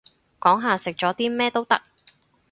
講下食咗啲咩都得